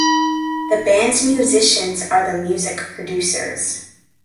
The band’s musicians are the music producers.